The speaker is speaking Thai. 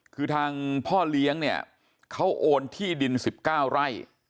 คือทางพ่อเลี้ยงเนี่ยเขาโอนที่ดิน๑๙ไร่